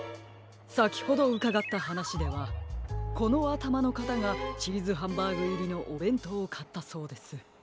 さきほどうかがったはなしではこのあたまのかたがチーズハンバーグいりのおべんとうをかったそうです。